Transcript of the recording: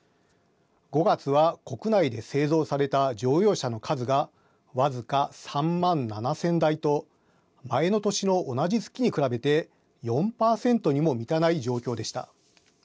５月は国内で製造された乗用車の数が僅か３万７０００台と前の年の同じ月に比べて４％にも満たない状況でした。